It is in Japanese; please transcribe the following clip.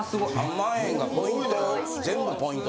・３万円がポイント。